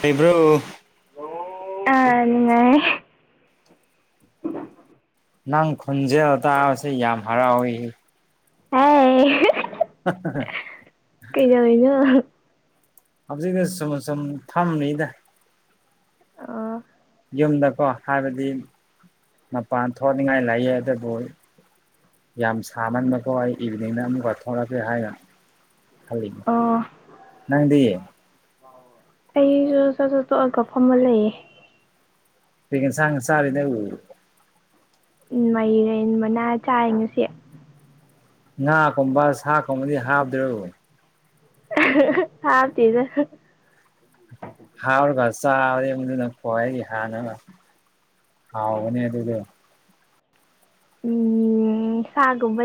ꯍꯩꯕ꯭ꯔꯣ ꯑꯥ ꯅꯤꯡꯉꯥꯏ ꯅꯪ ꯈꯣꯟꯟꯖꯦꯜꯇꯥꯁꯤ ꯌꯥꯝ ꯍꯔꯥꯎ ꯑꯣꯏꯁꯤ ꯑ [inaudible] ꯀꯩ ꯀꯩ ꯍꯧꯖꯤꯛ ꯁꯨꯝ ꯁꯨꯝ ꯊꯝꯅꯤꯗ ꯑ ꯌꯨꯝꯗꯀꯣ ꯍꯥꯏꯕꯗꯤ ꯃꯄꯥꯟ ꯊꯣꯛꯅꯤꯡꯉꯥꯏ ꯂꯩꯑ ꯑꯗꯨꯕꯨ ꯌꯥꯝ ꯁꯥꯃꯟꯕꯀꯣ ꯑꯩ ꯏꯚꯤꯅꯤꯡꯗ ꯑꯃꯨꯛꯀ ꯊꯣꯛꯂꯛꯀꯦ ꯍꯥꯏꯅ ꯑꯣ ꯅꯪꯗꯤꯌꯦ ꯑꯩꯁꯨ ꯆꯠ ꯆꯠꯠꯇꯣꯛꯑꯒ ꯐꯝꯕ ꯂꯩꯌꯦ ꯄꯤ ꯆꯔꯤꯅ ꯎꯝ ꯃꯔꯦꯟ ꯃꯅꯥ ꯆꯥꯏꯉꯨꯁꯤ ꯉꯥꯒꯨꯝꯕ ꯁꯥ ꯀꯨꯝꯕꯗꯤ ꯍꯥꯞꯗ꯭ꯔꯣꯏ ꯍꯥꯐ ꯆꯤꯖ ꯆꯥꯎꯔ ꯃꯗꯨꯅ ꯍꯥꯏꯒꯤ ꯍꯥꯟꯅ ꯍꯥꯎꯕꯅꯦ ꯑꯗꯨꯗꯣ ꯎꯝ ꯁꯥꯒꯨꯝꯕ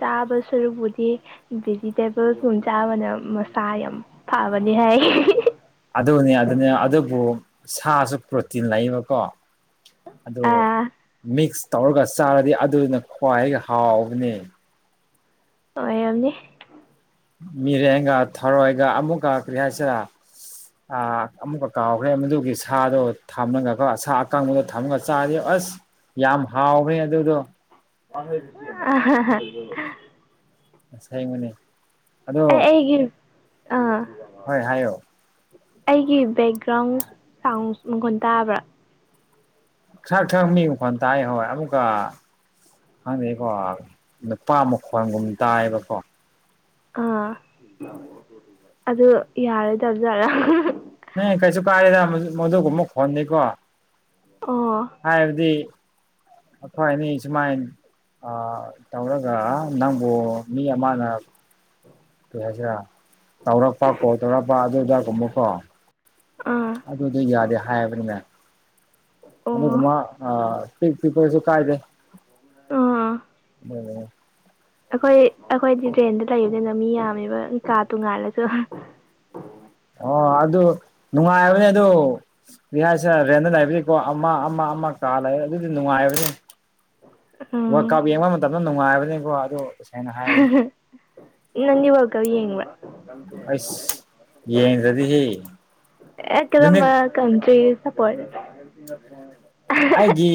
ꯆꯥꯕ ꯁꯔꯨꯛꯕꯨꯗꯤ ꯚꯤꯖꯤꯇꯦꯕꯜ ꯈꯨꯣꯡ ꯆꯥꯕꯅ ꯃꯁꯥ ꯌꯥꯝ ꯐꯕꯅꯤ ꯍꯥꯏ ꯑꯗꯨꯅꯦ ꯑꯗꯨꯅꯦ ꯑꯗꯨꯕꯨ ꯁꯥꯁꯨ ꯄ꯭ꯔꯣꯇꯤꯟ ꯂꯩꯕꯀꯣ ꯑꯗꯨ ꯑꯥ ꯃꯤꯛꯁ ꯇꯧꯔꯒ ꯆꯥꯔꯗꯤ ꯑꯗꯨꯗꯨꯅ ꯈ꯭ꯋꯥꯏꯗꯒꯤ ꯍꯥꯎꯕꯅꯤ ꯑꯣ ꯌꯥꯝꯅꯤ ꯃꯤꯔꯦꯟꯒ ꯊꯔꯣꯏꯒ ꯑꯃꯨꯛ ꯀꯈ꯭ꯔꯤ ꯍꯥꯏꯁꯤꯔ ꯑꯃꯨꯛꯀ ꯀꯥꯎꯈ꯭ꯔꯦ ꯃꯗꯨꯒꯤ ꯁꯥꯗꯣ ꯊꯝꯃꯒꯀ ꯁꯥ ꯑꯀꯪꯕꯗꯣ ꯊꯝꯃꯒ ꯆꯥꯗ ꯑꯁ ꯌꯥꯝ ꯍꯥꯎ ꯍ ꯑꯗꯨꯗ ꯑ ꯁ ꯃꯅꯦ ꯑ ꯑꯩꯒꯤꯔ ꯑꯥ ꯍꯣꯏ ꯍꯥꯏꯌꯣ ꯑꯩꯒꯤ ꯕꯦꯛꯒ꯭ꯔꯥꯎꯟ ꯁꯥꯎꯟꯁ ꯃꯪꯒꯣꯟ ꯇꯥꯕ꯭ꯔꯥ ꯈꯔꯥꯛ ꯈꯔꯥꯛ ꯃꯤ ꯃꯈꯣꯟ ꯇꯥꯏ ꯍꯣꯏ ꯑꯃꯨꯛꯀ ꯍꯥꯟꯗꯩꯀꯣ ꯅꯨꯄꯥ ꯃꯈꯣꯟꯒꯨꯝꯕ ꯇꯥꯏꯌꯦꯕꯀꯣ ꯑꯥ ꯑꯗꯨ ꯌꯥꯔꯣꯏꯗꯥꯖꯥꯔꯥ ꯅ ꯀꯩꯁꯨ ꯀꯥꯏꯗ ꯃꯗꯨꯒꯨꯝꯕꯨꯛ ꯈꯣꯟꯅꯤꯦꯀꯣ ꯑꯣ ꯍꯥꯏꯕꯗꯤ ꯑꯩꯈꯣꯏꯅꯤ ꯁꯨꯃꯥꯏꯅꯤ ꯑ ꯇꯧꯒ ꯅꯪꯕꯨ ꯃꯤ ꯑꯃꯅ ꯑꯗꯨ ꯍꯥꯏꯁꯤꯔ ꯇꯧꯔꯛꯄ ꯀꯣ ꯇꯧꯔꯛꯄ ꯑꯗꯨꯗ ꯀꯨꯝꯃꯨꯀꯣ ꯑꯥ ꯑꯗꯨꯗꯣ ꯌꯥꯗꯦ ꯍꯥꯏꯕꯅꯤꯅ ꯑꯣ ꯑꯗꯨꯒꯃꯥ ꯑ ꯄꯤꯛ ꯄꯤꯛꯄꯁꯨ ꯀꯥꯏꯗꯦ ꯑꯥ ꯑꯣꯝ ꯑꯩꯈꯣꯏ ꯑꯩꯈꯣꯏꯗꯤ ꯔꯦꯟꯗ ꯂꯩꯕꯅꯤꯅ ꯃꯤ ꯌꯥꯝꯃꯦꯕ ꯀꯥꯇꯣꯡꯉꯥꯜꯂꯁꯨ ꯑꯣ ꯑꯗꯨ ꯅꯨꯡꯉꯥꯏꯕꯅꯦ ꯑꯗꯨ ꯁꯦ ꯔꯦꯟꯗ ꯂꯩꯕꯤꯔꯤꯀꯣ ꯑꯃ ꯑꯃ ꯑꯃ ꯀꯥ ꯂꯩꯔꯦ ꯑꯗꯨꯗꯤ ꯅꯨꯡꯉꯥꯏꯕꯅꯤ ꯎꯝ ꯋꯥꯔꯀꯞ ꯌꯦꯡꯕ ꯃꯇꯝꯗ ꯅꯨꯡꯉꯥꯏꯕꯅꯤꯀꯣ ꯑꯗꯨ ꯇꯁꯥꯏꯅ ꯍꯥꯏꯕꯅꯤ ꯅꯪꯗꯤ ꯋꯥꯔꯜ ꯀꯞ ꯌꯦꯡꯕ꯭ꯔꯥ ꯑꯁ ꯌꯦꯡꯗꯔꯗꯤ ꯑꯦ ꯀꯥꯔꯝꯕ ꯀꯟꯇꯔꯤꯗꯥ ꯁꯄꯣꯠ ꯑꯩꯒꯤ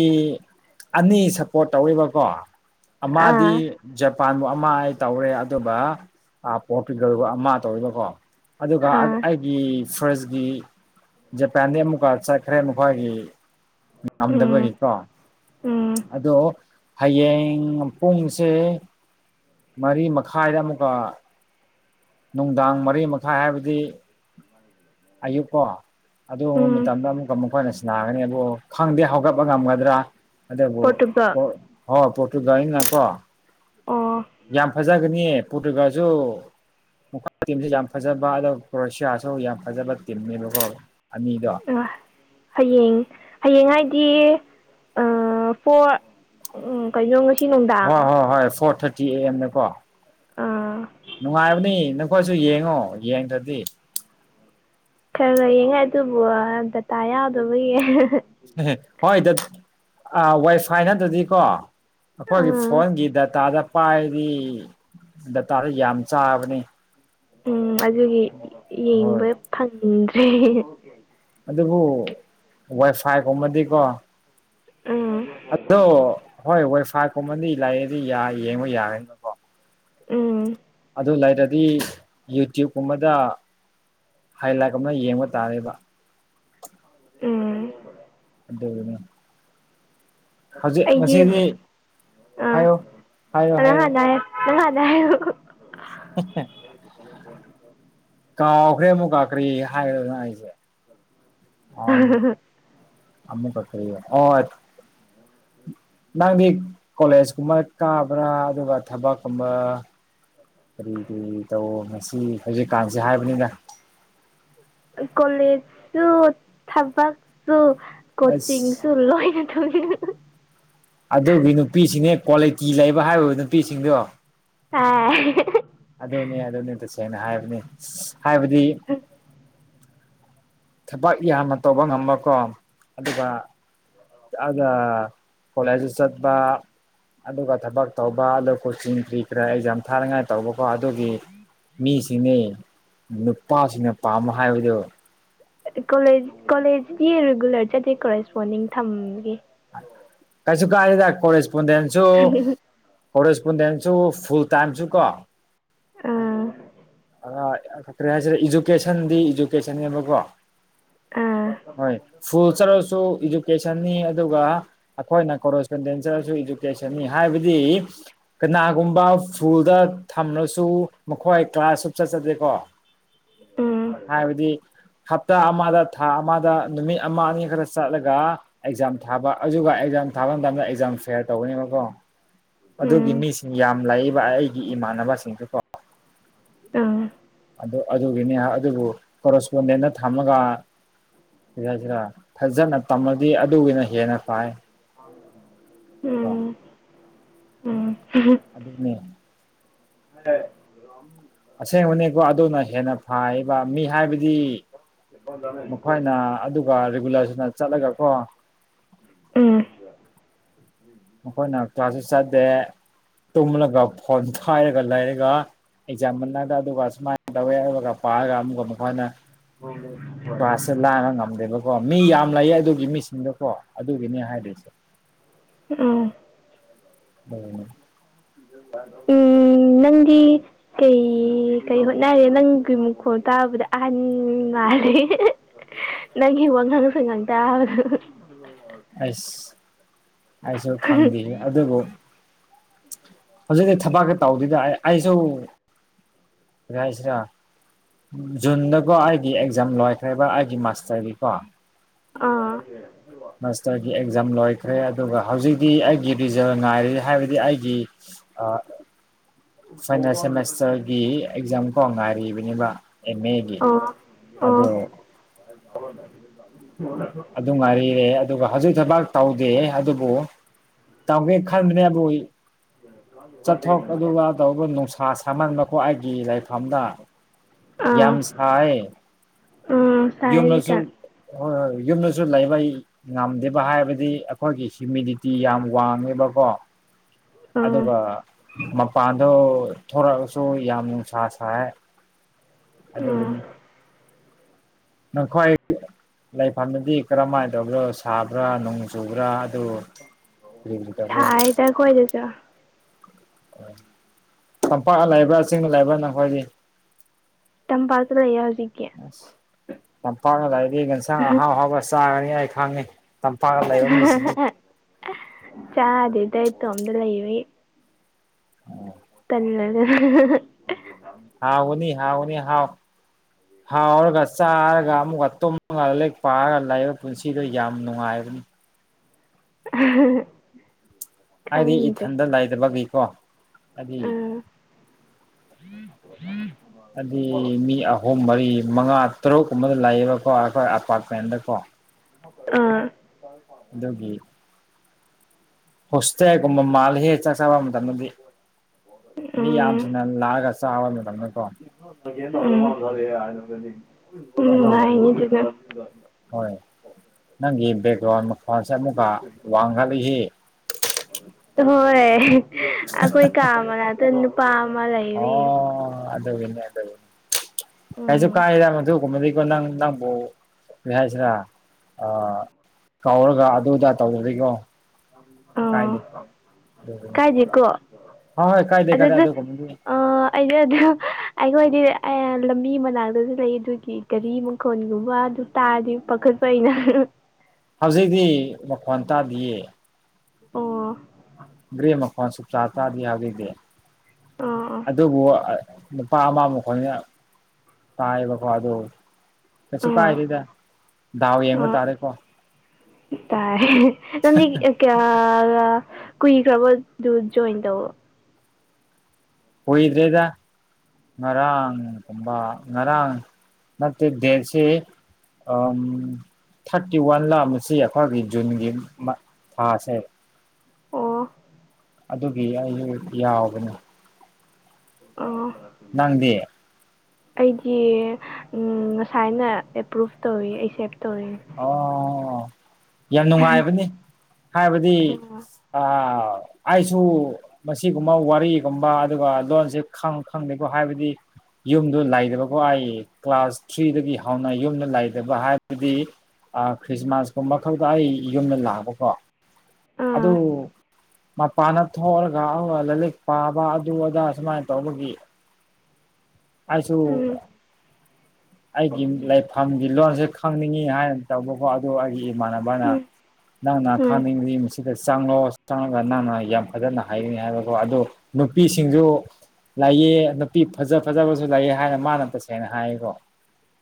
ꯑꯅꯤ ꯁꯞꯄꯣꯔꯠ ꯇꯧꯋꯦꯕꯀꯣ ꯑꯥ ꯑꯃꯗꯤꯗꯤ ꯃꯄꯥꯟꯕꯨ ꯑꯃ ꯑꯩ ꯇꯧꯔꯦ ꯑꯗꯨꯒ ꯄꯣꯔꯇꯨꯒꯜꯕꯨ ꯑꯃ ꯇꯧꯔꯤꯕꯀꯣ ꯑꯗꯨꯒ ꯑꯥ ꯑꯩꯒꯤ ꯐ꯭ꯔꯦꯟꯁꯀꯤ ꯖꯄꯥꯟꯗꯤ ꯑꯃꯨꯛꯀ ꯆꯠꯈ꯭ꯔꯦ ꯃꯈꯣꯏꯒꯤ ꯎꯝ ꯉꯝꯗꯕꯒꯤꯀꯣ ꯎꯝ ꯑꯗꯣ ꯍꯌꯦꯡ ꯄꯨꯡꯁꯦ ꯃꯔꯤ ꯃꯈꯥꯏꯗ ꯑꯃꯨꯛꯀ ꯅꯨꯡꯗꯥꯡ ꯃꯔꯤ ꯃꯈꯥꯏ ꯍꯥꯏꯕꯗꯤ ꯑꯌꯨꯛ ꯀꯣ ꯑꯗꯨꯒꯨꯝꯕ ꯎꯝ ꯃꯇꯝꯗ ꯑꯃꯨꯛꯀ ꯃꯈꯣꯏꯅ ꯁꯤꯅꯥꯒꯅꯤ ꯑꯗꯨꯕꯨ ꯈꯪꯗꯦ ꯍꯧꯒꯠꯄ ꯉꯝꯒꯗ꯭ꯔꯥ ꯑꯗꯨꯕꯨ ꯄꯣꯔꯇꯨꯒꯜ ꯍꯣ ꯄꯣꯇꯨꯒꯟ ꯅꯤꯅꯥꯀꯣ ꯑꯣ ꯌꯥꯝ ꯐꯖꯒꯅꯤꯌꯦ ꯄꯨꯠꯇꯨꯒꯜꯁꯨ ꯃꯈꯣꯏ ꯇꯤꯝꯁꯨ ꯌꯥꯝ ꯐꯖꯕ ꯑꯗꯨꯒ ꯀ꯭ꯔꯣꯋꯁꯤꯌꯥꯁꯨ ꯌꯥꯝ ꯐꯖꯕ ꯇꯤꯝꯅꯦꯕꯀꯣ ꯑꯅꯤꯗꯣ ꯑ ꯍꯌꯦꯡ ꯍꯌꯦꯡ ꯍꯥꯏꯗꯤ ꯐꯣꯔ ꯀꯩꯅꯣ ꯉꯁꯤ ꯍꯣꯏ ꯅꯨꯡꯗꯥꯡ ꯍꯣꯏ ꯍꯣꯏ ꯐꯣꯔ ꯊꯥꯔꯇꯤ ꯑꯦ ꯑꯦꯝ ꯗꯥꯀꯣ ꯑꯥ ꯅꯨꯡꯉꯥꯏꯕꯅꯤ ꯑꯩꯈꯣꯏꯁꯨ ꯌꯦꯡꯉꯣ ꯌꯦꯡꯗ꯭ꯔꯗꯤ ꯈꯔꯅ ꯌꯦꯡꯉꯥꯏ ꯑꯗꯨꯕꯨ ꯗꯇꯥ ꯌꯥꯎꯗꯕꯒꯤ ꯍ ꯍꯣꯏ ꯗ ꯋꯥꯏꯐꯥꯏ ꯅꯠꯇ꯭ꯔꯗꯤꯀꯣ ꯑꯩꯈꯣꯏꯒꯤ ꯑꯥ ꯐꯣꯟꯒꯤ ꯗꯇꯥꯗ ꯄꯥꯏꯗꯤ ꯇꯥꯔꯦ ꯌꯥꯝ ꯆꯥꯕꯅꯤ ꯎꯝ ꯑꯗꯨꯒꯤ ꯍꯣꯏ ꯌꯦꯡꯕ ꯐꯪꯗ꯭ꯔꯦ ꯑꯗꯨꯕꯨ ꯋꯥꯏꯐꯥꯏꯒꯨꯝꯕꯗꯤꯀꯣ ꯎꯝ ꯑꯗꯣ ꯍꯣꯏ ꯈ ꯀꯨꯝꯃꯟꯗꯤ ꯂꯥꯏꯑꯦꯗꯤ ꯌꯦꯡꯕ ꯌꯥꯔꯅꯤꯅꯀꯣ ꯎꯝ ꯑꯗꯨ ꯂꯩꯔꯗꯤ ꯌꯨꯇ꯭ꯌꯕꯀꯨꯝꯕꯗ ꯍꯥꯏꯂꯥꯏꯠ ꯑꯃ ꯌꯦꯡꯕ ꯇꯥꯔꯦꯕ ꯎꯝ [unintelligible] [inaudible] ꯍꯧꯖꯤꯛ ꯑꯩꯒꯤ ꯉꯁꯤꯗꯤ ꯑ ꯍꯥꯏꯌꯣ ꯍꯥꯏꯌꯣ ꯑ ꯍꯥꯏꯌꯣ ꯍꯥꯏꯗꯦ [unintelligible] [unintelligible] [unintelligible] ꯀꯥꯎꯈ꯭ꯔꯦ ꯑꯃꯨꯛ ꯀꯥꯔꯤ ꯍꯥꯏꯔꯣꯔꯥ ꯑꯩ [unintelligible] [inaudible] ꯑꯃꯨꯛꯀꯥ ꯀꯔꯤ ꯑꯣ ꯅꯪꯗꯤ ꯀꯣꯂꯦꯖ ꯀꯨꯝꯕ ꯀꯥꯕ꯭ꯔꯥ ꯑꯗꯨꯒ ꯊꯕꯛꯀꯨꯝꯕ ꯀꯔꯤ ꯀꯔꯤ ꯇꯧ ꯉꯁꯤ ꯍꯧꯖꯤꯛꯀꯥꯟꯁꯦ ꯍꯥꯏꯕꯅꯤꯗꯥ ꯀꯣꯂꯦꯖꯁꯨ ꯊꯕꯛꯁꯨ ꯑꯁ ꯀꯣꯆꯤꯡꯁꯨ ꯂꯣꯏꯅ [inaudible] ꯑꯗꯨꯒꯤ ꯅꯨꯄꯤꯁꯤꯡꯅꯦ ꯀ꯭ꯋꯥꯂꯤꯇꯤ ꯂꯩꯕ ꯍꯥꯏꯕ ꯅꯨꯄꯤꯁꯤꯡꯗꯣ ꯑꯥ ꯑꯗꯨꯅꯦ ꯑꯗꯨꯅꯤ ꯇꯁꯦꯡꯅ ꯍꯥꯏꯕꯅꯦ ꯍꯥꯏꯕꯗꯤ ꯊꯕꯛ ꯌꯥꯝꯅ ꯇꯧꯕ ꯉꯝꯕꯀꯣ ꯑꯗꯨꯒ ꯑꯗ ꯀꯂꯦꯖ ꯁꯠꯕ ꯑꯗꯨ ꯊꯕꯛ ꯇꯧꯕ ꯑꯗꯣ ꯀꯣꯆꯤꯡ ꯀꯔꯤ ꯀꯔꯥ ꯑꯦꯛꯖꯥꯝ ꯊꯥꯅꯉꯥꯏ ꯇꯧꯕꯀꯣ ꯑꯗꯨꯒꯤ ꯃꯤꯁꯤꯡꯅꯤ ꯅꯨꯄꯥꯁꯤꯡꯅ ꯄꯥꯝꯝꯕ ꯍꯥꯏꯕꯗꯨ ꯀꯣꯂꯦꯖ ꯀꯣꯂꯦꯖꯗꯤ ꯔꯤꯒꯨꯂꯔ ꯆꯠꯠꯇꯦ ꯀꯣꯔꯦꯁꯄꯣꯟꯗꯤꯡ ꯊꯝꯒꯦ ꯀꯩꯁꯨ ꯀꯔꯤꯗꯥꯛ ꯀꯣ ꯏꯁꯄꯦꯟꯁꯨ ꯀꯣ ꯏꯁ ꯀꯟꯗꯁꯨ ꯐꯨꯜ ꯇꯥꯏꯝꯁꯨ ꯀꯣ ꯑꯥ ꯑ ꯈꯛꯇ꯭ꯔꯦ ꯍꯥꯏꯁꯤꯔꯦ ꯏꯖꯨꯀꯦꯁꯟꯗꯤ ꯏꯖꯨꯀꯦꯁꯟꯅꯦꯕꯀꯣ ꯑꯥ ꯍꯣꯏ ꯐꯨ ꯆꯔꯣ ꯁ ꯏꯖꯨꯀꯦꯁꯟꯅꯤ ꯑꯗꯨꯒ ꯑꯩꯈꯣꯏꯅ ꯀꯣꯔꯣꯁꯄꯦꯟꯗꯦꯟꯁꯁꯨ ꯏꯗꯨꯀꯦꯁꯟꯅꯤ ꯍꯥꯏꯕꯗꯤ ꯀꯅꯥꯒꯨꯝꯕ ꯁ꯭ꯀꯨꯜꯗ ꯊꯝꯂꯁꯨ ꯃꯈꯣꯏ ꯀ꯭ꯂꯥꯁ ꯁꯞ ꯆꯠꯆꯗꯦꯀꯣ ꯎꯝ ꯍꯥꯏꯕꯗꯤ ꯍꯞꯇꯥ ꯑꯃꯗ ꯊꯥ ꯑꯃꯗ ꯅꯨꯃꯤꯠ ꯑꯃ ꯑꯅꯤ ꯈꯔ ꯆꯠꯂꯒ ꯑꯦꯛꯖꯥꯝ ꯊꯥꯕ ꯑꯗꯨꯒ ꯑꯦꯛꯖꯥꯝ ꯊꯥꯕ ꯃꯇꯝꯗ ꯑꯦꯛꯖꯥꯝ ꯐꯤꯌꯥꯔ ꯇꯧꯒꯅꯦꯕꯀꯣ ꯑꯗꯨꯒꯤ ꯎꯝ ꯃꯤꯁꯤꯡ ꯌꯥꯝ ꯂꯥꯛꯏꯕ ꯑꯩꯒꯤ ꯏꯃꯥꯟꯅꯕꯁꯤꯡꯁꯨꯀꯣ ꯑ ꯑꯗꯨꯒꯤꯅꯤ ꯑꯗꯨꯕꯨ ꯀꯣꯔꯣꯁꯄꯣꯟꯗꯦꯟꯅ ꯊꯝꯃꯒ ꯁꯤꯔꯥ ꯁꯤꯔꯥ ꯐꯖꯅ ꯇꯝꯃꯗꯤ ꯑꯗꯨꯒꯤꯅ ꯍꯦꯟꯅ ꯐꯥꯏ ꯑ ꯎꯝ ꯎꯝ ꯑꯗꯨꯗꯅ ꯍ ꯑꯁꯦꯡꯕꯅꯦꯀꯣ ꯑꯗꯨꯅ ꯍꯦꯟꯅ ꯐꯕ ꯃꯤ ꯍꯥꯏꯕꯗꯤ ꯃꯈꯣꯏꯅ ꯑꯗꯨꯒ ꯔꯤꯒꯨꯂꯔꯁꯤꯅ ꯆꯠꯂꯒ ꯀꯣ ꯎꯝ ꯑꯩꯈꯣꯏꯅ ꯀ꯭ꯂꯥꯁꯁꯨ ꯆꯥꯗꯦ ꯇꯨꯝꯂꯒ ꯐꯣꯟ ꯈꯥꯏꯔꯒ ꯂꯩꯔꯒ ꯑꯦꯛꯖꯥꯝ ꯃꯒ ꯑꯗꯨꯒ ꯁꯨꯃꯥꯏꯅ ꯇꯧꯋꯦ ꯑꯗꯨꯒꯒ ꯄꯥꯔꯒ ꯑꯃꯨꯛꯒ ꯃꯈꯣꯏꯅ ꯇ ꯑꯁꯂꯅ ꯉꯝꯗꯦꯕ ꯑꯣ ꯃꯤ ꯌꯥꯝ ꯂꯩꯌꯦ ꯑꯗꯨꯒꯤ ꯃꯤꯁꯤꯡꯗꯣ ꯀꯣ ꯑꯗꯨꯒꯤꯅꯦ ꯍꯥꯏꯔꯤꯁꯦ ꯎꯝ ꯎꯝ ꯎꯝ ꯅꯪꯗꯤ ꯀꯩ ꯀꯩ ꯍꯣꯠꯅꯔꯦ ꯅꯪꯒꯤ ꯃꯈꯨꯈꯣꯡ ꯇꯥꯕꯗ ꯑꯍꯟ ꯗꯤ ꯅꯪ ꯍ ꯋꯥ ꯉꯥꯡꯁꯨ ꯉꯥꯡꯇꯥ ꯑ ꯑꯁꯨ ꯈꯝꯗꯦ ꯑꯗꯨꯕꯨꯣ ꯍꯧꯖꯤꯛꯇꯗꯤ ꯊꯕꯛꯀ ꯇꯧꯗꯗ ꯑꯩꯁꯨ ꯔꯁꯤꯔꯥ ꯖꯟꯗꯀꯣ ꯑꯩꯒꯤ ꯑꯦꯛꯖꯥꯝ ꯂꯣꯏꯈ꯭ꯔꯦꯕ ꯑꯩꯒꯤ ꯃꯁ ꯇ ꯍꯥꯏꯔꯤ ꯀꯣ ꯑꯥ ꯃꯁꯇꯒꯤ ꯛꯖꯝ ꯂꯣꯏꯈ꯭ꯔꯦ ꯑꯗꯨꯒ ꯍꯧꯖꯤꯛꯇꯤ ꯑꯩꯒꯤ ꯔꯤꯖꯜ ꯉꯥꯏꯔꯤ ꯍꯥꯏꯕꯗꯤ ꯑꯩꯒꯤ ꯑ ꯐꯥꯏꯅꯥꯜ ꯁꯦꯃꯦꯁꯇꯔꯒꯤ ꯑꯦꯛꯖꯥꯝ ꯀꯥꯎ ꯉꯥꯏꯔꯤꯕꯅꯦꯕ ꯑꯦꯝ ꯑꯦꯒꯤ ꯑꯗ ꯕ ꯑꯗꯨ ꯃꯔꯤꯦ ꯑꯗꯨꯒ ꯍꯧꯖꯤꯛ ꯊꯕꯛ ꯇꯧꯗꯦ ꯑꯗꯨꯕꯨ ꯇꯧꯒꯦ ꯈꯟꯕꯅꯦꯕꯨ ꯆꯠꯊꯣꯛ ꯑꯗꯨꯒ ꯇꯧꯕ ꯅꯨꯡꯁꯥ ꯁꯥꯍꯟꯕꯀꯣ ꯑꯩꯒꯤ ꯂꯥꯏꯔꯤ ꯝꯗ ꯌꯥꯝ ꯑꯥ ꯁꯥꯏ ꯎꯝ ꯁꯥꯏ ꯌꯅꯁꯨ ꯍꯧꯖꯤꯛꯀꯥꯟ ꯍꯣꯏꯣꯏ ꯌꯨꯝꯗꯁꯨ ꯂꯩꯕ ꯉꯝꯗꯦꯕ ꯍꯥꯏꯕꯗꯤ ꯑꯩꯈꯣꯏꯒꯤ ꯍꯤꯌꯨꯃꯤꯗꯤꯇꯤ ꯌꯥꯝ ꯋꯥꯡꯉꯦꯕꯀꯣ ꯎꯝ ꯑꯗꯨꯒ ꯃꯄꯥ ꯑꯗꯣ ꯊꯣꯔꯛꯑꯒꯁꯨ ꯌꯥꯝ ꯅꯨꯡꯁꯥ ꯁꯥꯏꯦ ꯎꯝ ꯑꯗꯨꯒꯤꯅꯤ ꯅꯪꯈ꯭ꯋꯥꯏ ꯂꯩꯐꯝꯗꯤ ꯀꯔꯝꯍꯥꯏꯅ ꯇꯧꯕ꯭ꯔꯣ ꯁꯥꯕ꯭ꯔꯥ ꯅꯣꯡ ꯆꯨꯕ꯭ꯔꯥ ꯑ ꯁꯥꯏꯗ ꯑꯩꯈꯣꯏꯗꯁꯨ ꯇꯝꯄꯥꯛ ꯂꯩꯕ꯭ꯔꯥ ꯆꯤꯡꯅ ꯂꯩꯏꯕ꯭ꯔꯥ ꯅꯈꯣꯏꯒꯤ ꯇꯝꯄꯥꯥꯇꯂ ꯍꯧꯖꯤꯀꯤꯦ ꯂꯝꯄꯥꯛꯅ ꯂꯥꯏꯗꯤ ꯌꯦꯟꯁꯥꯡ ꯑꯍꯥꯎ ꯑꯍꯥꯎꯕ ꯆꯥꯒꯅꯤ ꯑꯩ ꯈꯪꯉꯤ ꯇꯝ ꯐꯒ ꯂꯩꯣ ꯃꯤꯁꯤ ꯆꯥꯗ ꯏꯗꯥꯏꯣ ꯑꯣꯝꯗꯂ ꯏꯦ ꯑꯣ ꯇꯝꯅ ꯍꯥꯎ ꯎꯅꯤ ꯍꯥꯎ ꯎꯅꯤ ꯍꯥꯎ ꯍꯥꯎꯔꯒ ꯆꯥꯔꯒ ꯑꯃꯨꯛꯀ ꯇꯨꯝꯃꯒ ꯂꯦꯛ ꯄꯥꯔꯒ ꯂꯩꯥꯛꯏꯕ ꯄꯨꯟꯁꯤꯗꯣ ꯌꯥꯝ ꯅꯨꯡꯉꯥꯏꯕ ꯑꯗꯨ [unintelligible] ꯍꯥꯏꯗꯤ ꯈꯪꯗ꯭ꯔꯦ ꯏꯊꯟꯗ ꯂꯩꯗꯕꯒꯤꯀꯣ ꯍꯥꯏꯗꯤ ꯎꯝ ꯎꯝ ꯑꯗꯨꯗꯤ ꯃꯤ ꯑꯍꯨꯝ ꯃꯔꯤ ꯃꯉꯥ ꯇꯔꯨꯛ ꯀꯨꯝꯕꯗ ꯂꯩꯌꯦꯕꯀꯣ ꯑꯩꯈꯣꯏ ꯑꯄꯥꯔꯠꯃꯦꯟꯗꯀꯣ ꯑꯥ ꯍꯁꯦ ꯍꯥꯏ ꯀꯨꯝ ꯃꯥꯜ ꯍꯦ ꯆꯕ ꯗꯤ ꯃꯤ ꯌꯥꯝꯁꯤꯅ ꯂꯥꯛꯑꯒ ꯆꯥꯕ ꯃꯇꯝꯗꯀꯣ ꯦ ꯑꯗꯨꯒꯤꯅꯤ ꯎꯝ ꯏꯅꯤ ꯍꯣꯏ ꯆꯒ ꯅꯪꯒꯤ ꯕꯦꯛꯒ꯭ꯔꯥꯎꯟ ꯃꯈꯜꯁꯦ ꯑꯃꯨꯛꯀ ꯋꯥꯡꯈꯠꯂꯁꯤ ꯍꯣꯏ ꯍꯣꯏ ꯑꯩꯈꯣꯏ ꯀꯥ ꯑꯃꯅꯛꯇ ꯅꯨꯄꯥ ꯑꯃ ꯂꯩꯔꯤ ꯑꯗꯅꯤ ꯑꯗꯅꯤ ꯀꯩꯁꯨ ꯎꯝ ꯀꯥꯏꯔ ꯃꯗꯨ ꯀꯨꯝꯀꯣ ꯅꯪ ꯅꯪꯕꯨ ꯍꯥꯏꯁꯤꯔꯥ ꯑ ꯀꯥꯎꯔꯒ ꯑꯗꯨꯗꯥ ꯇꯧꯗꯔꯤꯀꯣ ꯑꯣ ꯀꯥꯏꯖ ꯀꯣ ꯍꯣꯏ ꯍꯣꯏ ꯀꯥꯏꯗꯦ ꯑꯗꯨ ꯀꯥꯏꯗꯦ ꯑꯗꯨ ꯑꯗꯨꯒꯨꯝꯕꯗꯤ ꯑ ꯑꯩꯩꯅ ꯑꯗꯨ ꯑꯩꯈꯣꯏꯗꯤ ꯂꯝꯕꯤ ꯃꯅꯥꯛꯇꯁꯨ ꯂꯩ ꯑꯗꯨꯒꯤ ꯒꯥꯔꯤ ꯃꯈꯣꯜꯒꯨꯝꯕ ꯑꯗꯨ ꯇꯥꯔꯗꯤ ꯄꯥꯈꯠ ꯐꯩꯅ ꯍꯧꯖꯤꯛꯇꯤ ꯃꯈꯣꯟ ꯇꯥꯗꯤꯌꯦ ꯑꯣ ꯀ ꯆꯆꯥꯥ ꯇꯔꯥꯗꯤ ꯌꯥꯈꯤꯗꯦ ꯑꯥ ꯑꯗꯨꯕꯨ ꯄꯥꯥꯃ ꯃꯈ ꯈꯅꯤ ꯇꯥꯏꯕꯀꯣ ꯑꯗꯣ ꯀꯩꯁꯨ ꯑꯥ ꯑꯥ ꯀꯥꯏꯗꯦꯗ ꯗꯥꯎ ꯌꯦꯡꯕ ꯇꯥꯔꯦꯀꯣ ꯇꯥꯏꯦ ꯅ ꯀꯌꯥ ꯀꯨꯏꯈ꯭ꯔꯕꯗꯨ ꯖꯣꯏꯟ ꯇꯧ ꯍꯣꯏꯗ꯭ꯔꯦꯗ ꯉꯔꯥꯡ ꯀꯝꯕ ꯉꯔꯥꯡ ꯃ ꯗꯦꯁꯤ ꯑ ꯊꯥꯔꯇꯤ ꯋꯥꯟ ꯂꯥꯛꯑꯝꯃꯤꯁꯤ ꯑꯩꯈꯣꯏꯒꯤ ꯖꯨꯟꯒꯤ ꯊꯥꯁꯦ ꯑꯣ ꯑꯗꯨꯒꯤ ꯑꯩꯁꯨ ꯌꯥꯎꯕꯅꯦ ꯑꯣ ꯅꯪꯗꯤ ꯑꯩꯗꯤ ꯉꯁꯥꯏꯅ ꯑꯦꯄ꯭ꯔꯨꯚ ꯇꯧꯋꯤ ꯑꯩꯁꯦ ꯇꯔꯤꯦ ꯑꯣ ꯌꯥꯝ ꯅꯨꯡꯉꯥꯏꯕꯅꯤ ꯍꯥꯏꯕꯗꯤ ꯑꯥ ꯑ ꯑꯩꯁꯨ ꯃꯁꯤꯒꯨꯝꯕ ꯋꯥꯔꯤꯒꯨꯝꯕ ꯑꯗꯨꯒ ꯂꯣꯟꯁꯦ ꯈꯪ ꯈꯪꯗꯦꯀꯣ ꯍꯥꯏꯕꯗꯤ ꯌꯨꯝꯗꯣ ꯂꯩꯗꯕꯀꯣ ꯍꯥꯏꯌꯦ ꯀ꯭ꯂꯥꯁ ꯊ꯭ꯔꯤꯗꯒꯤ ꯍꯧꯅ ꯌꯨꯝꯗ ꯂꯩꯗꯕ ꯍꯥꯏꯔꯒꯗꯤ ꯈ꯭ꯔꯤꯁꯃꯥꯁꯀꯨꯝꯕ ꯈꯛꯗ ꯑꯩ ꯌꯨꯝꯗ ꯂꯥꯛꯑꯕꯀꯣ ꯑꯗꯨ ꯑꯥ ꯃꯄꯥꯟꯅ ꯊꯣꯛꯑꯒ ꯑꯗꯨꯒ ꯂꯥꯏꯂꯤꯛ ꯄꯥꯕ ꯑꯗꯨ ꯑꯗꯥ ꯁꯨꯃꯥꯏꯅ ꯇꯧꯕꯒꯤ ꯑꯩꯁꯨ ꯎꯝ ꯑꯩꯒꯤ ꯂꯩꯐꯝꯒꯤ ꯂꯣꯟꯁꯦ ꯈꯪꯅꯤꯡꯉꯤ ꯍꯥꯏꯅ ꯇꯧꯕꯀꯣ ꯑꯗꯨ ꯑꯩꯒꯤ ꯏꯃ ꯃꯥꯅ ꯎꯝ ꯅꯪꯅ ꯎꯝ ꯈꯥꯡꯅꯤꯡꯔꯤꯗ ꯆꯪꯂꯉꯣꯑꯣ ꯆꯪꯉꯒ ꯅꯪꯅ ꯌꯥꯝ ꯑꯗꯨꯖꯅ ꯍꯥꯏꯔꯤꯅꯤ ꯍꯥꯏꯕꯒ ꯑꯗꯨꯗꯣ ꯅꯨꯄꯤꯁꯤꯡꯁꯨ ꯂꯩꯑ ꯅꯨꯄꯤ ꯐꯖ ꯐꯖꯕꯁꯨ ꯂꯩꯑ ꯍꯥꯏꯅ ꯃꯥꯅ ꯇꯁꯦꯡꯅ ꯍꯥꯏꯌꯦꯀꯣ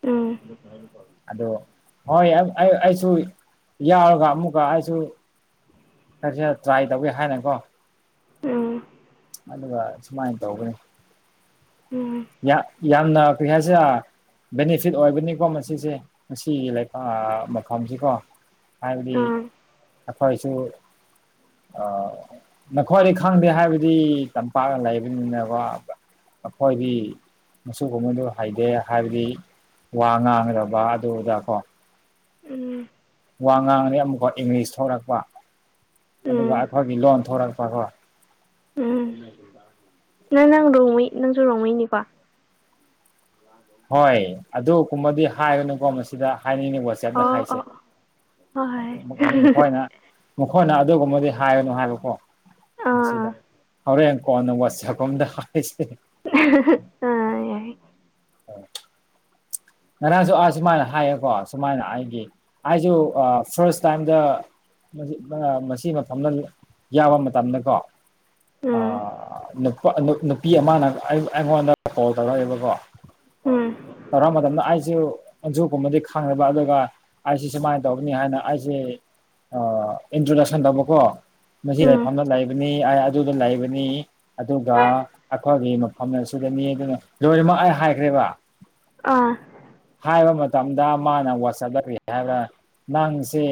ꯎꯝ ꯑꯗꯣ ꯍꯣꯏ ꯑꯩ ꯑꯩꯁꯨ ꯌꯥꯎꯔꯒ ꯑꯃꯨꯛꯀ ꯑꯩꯁꯨ ꯀꯔꯤꯁꯤ ꯇ꯭ꯔꯥꯏ ꯇꯧꯒꯦ ꯍꯥꯏꯅꯀꯣ ꯎꯝ ꯑꯗꯨꯒ ꯁꯨꯃꯥꯏꯅ ꯇꯧꯒꯅꯤ ꯎꯝ ꯌꯥꯝꯅ ꯀꯩ ꯍꯥꯏꯁꯦ ꯕꯦꯅꯤꯐꯤꯠ ꯑꯣꯏꯕꯅꯤꯀꯣ ꯃꯁꯤꯁꯦ ꯉꯁꯤꯒꯤ ꯂꯩꯄꯥꯛ ꯃꯐꯝꯁꯤꯀꯣ ꯍꯥꯏꯕꯗꯤ ꯎꯝ ꯑꯩꯈꯣꯏꯁꯨ ꯑ ꯅꯈ꯭ꯋꯥꯔꯤ ꯈꯥꯡꯗꯦ ꯍꯥꯏꯕꯗꯤ ꯇꯝꯄꯥꯛꯅ ꯂꯩꯕꯅꯤꯅꯦꯀ ꯑꯩꯈꯣꯏꯒꯤ ꯑꯗꯨꯒꯒꯨꯝꯕꯗꯨ ꯍꯩꯗꯦ ꯍꯥꯏꯕꯗꯤ ꯋꯥ ꯉꯥꯡꯗꯕ ꯑꯗꯨꯗ ꯀꯣ ꯎꯝ ꯋꯥ ꯉꯥꯡꯔꯦ ꯑꯃꯨꯛꯀꯣ ꯏꯪꯂꯤꯁ ꯊꯣꯛꯂꯛꯄ ꯑꯗꯨꯒ ꯎꯝ ꯑꯩꯈꯣꯏꯒꯤ ꯂꯣꯟ ꯊꯣꯔꯛꯄꯈꯣ ꯎꯝ ꯅꯪ ꯅꯪ ꯔꯣꯡꯩ ꯅꯪꯁꯨ ꯔꯣꯡꯉꯩꯅꯤꯀꯣ ꯂ ꯑꯗꯨ ꯀꯨꯝꯕꯗꯤ ꯍꯥꯏꯒꯅꯨꯀꯣ ꯃꯁꯤꯗ ꯍꯥꯏꯅꯤꯡꯉꯤ ꯋꯥꯆꯦꯞꯇ ꯑꯣ ꯍꯥꯏꯁꯦ ꯑꯣ ꯍꯣꯏ ꯍꯣꯏ ꯃꯈꯣꯏꯅ ꯃꯈꯣꯏꯅ ꯑꯗꯨꯒꯨꯝꯕꯗꯤ ꯍꯥꯏꯔꯅꯨ ꯍꯥꯏꯕꯀꯣ ꯑꯥ ꯃꯁꯤꯗ ꯍꯣꯔꯦꯟ ꯀꯣꯟꯅ ꯋꯥꯠꯁꯀꯣꯝꯗ ꯍꯥꯏꯁꯦ ꯑ ꯑꯣ ꯉꯔꯥꯡꯁꯨ ꯑꯥ ꯁꯨꯃꯥꯏꯅ ꯍꯥꯏꯌꯦꯀꯣ ꯁꯨꯃꯥꯏꯅ ꯑꯩꯒꯤ ꯑꯩꯁꯨ ꯐꯥꯔꯁ ꯇꯥꯏꯝꯗ ꯃꯁꯤ ꯃꯐꯝꯗ ꯌꯥꯕ ꯃꯇꯝꯗꯀꯣ ꯑ ꯎꯝ ꯅꯨꯄꯤ ꯑꯃꯅ ꯑꯩꯉꯣꯟꯗ ꯀꯣꯜ ꯇꯧꯔꯛꯑꯦꯕꯀꯣ ꯎꯝ ꯑꯔꯝꯗꯅ ꯑꯟꯖꯨꯒꯨꯝꯕꯗꯤ ꯈꯪꯅꯕ ꯑꯗꯨꯒ ꯑꯩꯁꯦ ꯁꯨꯃꯥꯏꯅ ꯇꯧꯒꯅꯤ ꯍꯥꯏꯅ ꯑꯩꯁꯦ ꯑ ꯏꯟꯇ꯭ꯔꯣꯗꯛꯁꯟ ꯇꯧꯕꯀꯣ ꯃꯁꯤ ꯎꯝ ꯂꯥꯏꯐꯝꯅ ꯂꯩꯕꯅꯤ ꯑꯩ ꯑꯗꯨꯗ ꯂꯩꯕꯅꯤ ꯑꯗꯨꯒ ꯑꯩꯈꯣꯏꯒꯤ ꯃꯐꯝ ꯑꯁꯤꯗꯅꯤ ꯑꯗꯨꯅ ꯂꯣꯏꯔꯃꯛ ꯑꯩ ꯍꯥꯏꯈ꯭ꯔꯦꯕ ꯑꯥ ꯍꯥꯏꯕ ꯃꯇꯝꯗ ꯃꯥꯅ ꯋꯥ ꯆꯠꯂꯛ ꯍꯥꯏꯔ ꯅꯪꯁ